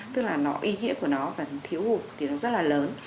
tức là nó ý nghĩa của nó và thiếu hụt thì nó rất là lớn